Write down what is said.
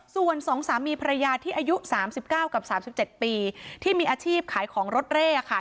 ส่วน๒สามีภรรยาที่อายุ๓๙กับ๓๗ปีที่มีอาชีพขายของรถเร่ค่ะ